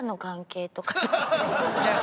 違う。